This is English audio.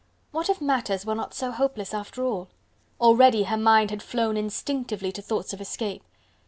What if matters were not so hopeless after all? Already her mind had flown instinctively to thoughts of escape.